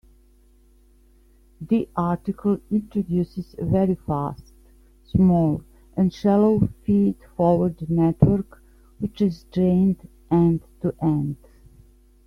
The article introduces a very fast, small, and shallow feed-forward network which is trained end-to-end.